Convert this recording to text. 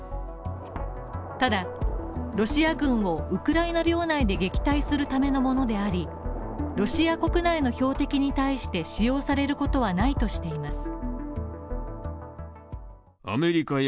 ただ、ロシア軍をウクライナ領内で撃退するためのものであり、ロシア国内の標的に対して使用されることはないとしています。